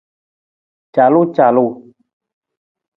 Calucalu.